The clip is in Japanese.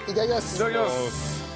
いただきます。